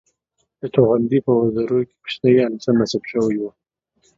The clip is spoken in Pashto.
د توغندي په وزرو کې کوچنی انتن نصب شوی وو